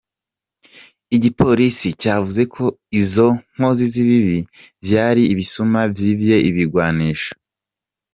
Igipolisi cavuze ko izo nkozi z'ikibi vyari ibisuma vyivye ibigwanisho.